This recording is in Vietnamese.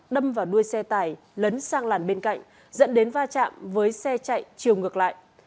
đâm vào đuôi xe tải lấn sang làn bên cạnh dẫn đến va chạm với xe chạy chiều ngược lại